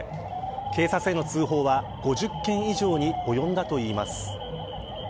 警察への通報は５０件以上に及んだといいます。